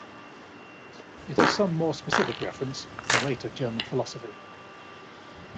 It has some more specific reference in later German philosophy.